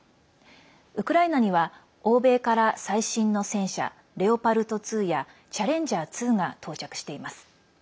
ウクライナには欧米から最新の戦車レオパルト２やチャレンジャー２が到着しています。